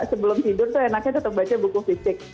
sebelum tidur tuh enaknya tetap baca buku fisik